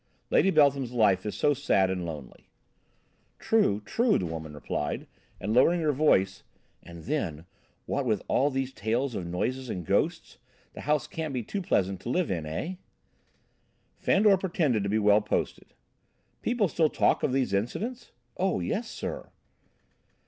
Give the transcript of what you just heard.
Lady Beltham's life is so sad and lonely." "True enough," the woman replied, and, lowering her voice: "And then, what with all these tales of noises and ghosts, the house can't be too pleasant to live in, eh?" Fandor pretended to be well posted. "People still talk of these incidents?" "Oh, yes, sir."